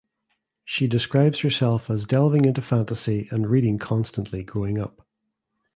She describes herself as "delving into fantasy and reading constantly" growing up.